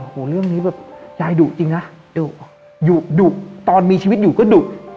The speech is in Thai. เรื่องนี้แบบยายดุจริงนะดุดุตอนมีชีวิตอยู่ก็ดุ